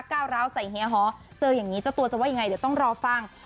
ก้าวราวไปก้าวราวเฮียร์ฮอล์เจออย่างนี้ตัวจะต้องรอฟัง